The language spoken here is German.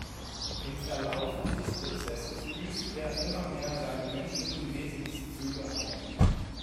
Im Verlauf dieses Prozesses büßt er immer mehr seine menschlichen Wesenszüge ein.